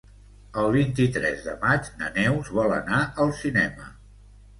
El vint-i-tres de maig na Neus vol anar al cinema.